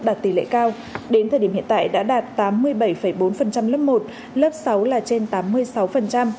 đạt tỷ lệ cao đến thời điểm hiện tại đã đạt tám mươi bảy bốn lớp một lớp sáu là trên tám mươi sáu